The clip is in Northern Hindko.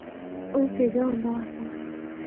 او کِجّا ہوندا آسا۔